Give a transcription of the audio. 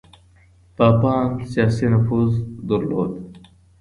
پاپان سياسي نفوذ درلود.